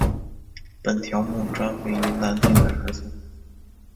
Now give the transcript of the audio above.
本条目专为云南定远而作。